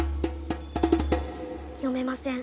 読めません。